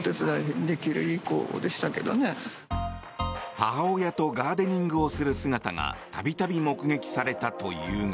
母親とガーデニングをする姿が度々目撃されたというが。